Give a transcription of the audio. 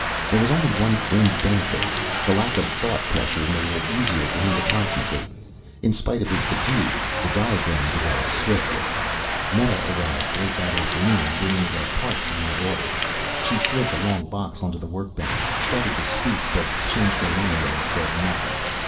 There was only one fringe benefit. The lack of thought pressure made it easier for him to concentrate. In spite of his fatigue the diagram developed swiftly. Meta arrived late that afternoon, bringing the parts he had ordered. She slid the long box onto the workbench, started to speak, but changed her mind and said nothing.